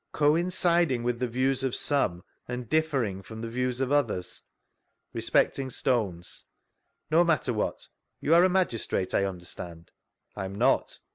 Coinciding with die views of some, and differii^ frcHn the views of others ?— Respecting stones. No matter what. You are a magistrate, I under stand?— I am not.